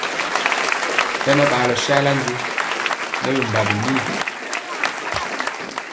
Hɛ na ɓaalɔ sala ndi nɛ bimbawi ni.